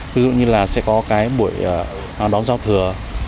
ví dụ như là sẽ có cái buổi đón giao thừa